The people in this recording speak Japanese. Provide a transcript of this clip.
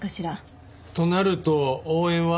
となると応援は。